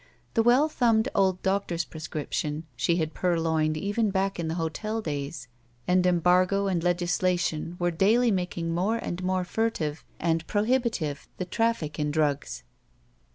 The well thumbed old doctor's prescription she had purloined even back in the hotel days, and embargo and legislation were daily making more and more furtive and prohibitive the traffic in drugs.